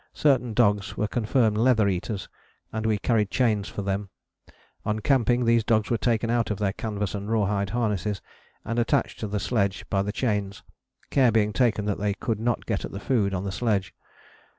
Certain dogs were confirmed leather eaters, and we carried chains for them: on camping, these dogs were taken out of their canvas and raw hide harnesses, and attached to the sledge by the chains, care being taken that they could not get at the food on the sledge.